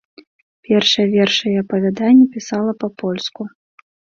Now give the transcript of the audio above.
Першыя вершы і апавяданні пісала па-польску.